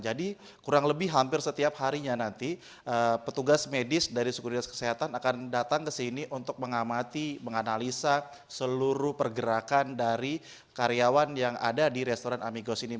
jadi kurang lebih hampir setiap harinya nanti petugas medis dari suku dinas kesehatan akan datang ke sini untuk mengamati menganalisa seluruh pergerakan dari karyawan yang ada di restoran amigos ini